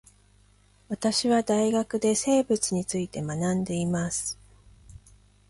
私は大学で生物について学んでいます